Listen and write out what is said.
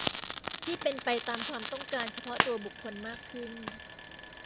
ที่เป็นไปตามความต้องการเฉพาะตัวบุคคลมากขึ้น